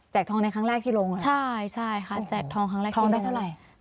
แจกทองในครั้งแรกที่ลงเหรอใช่ค่ะแจกทองครั้งแรกที่ลง